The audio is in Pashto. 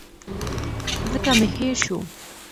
ځکه مي هېر شو .